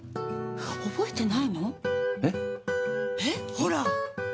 ほら！